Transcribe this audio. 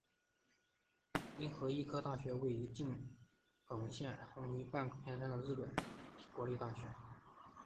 滨松医科大学位于静冈县滨松市半田山的日本国立大学。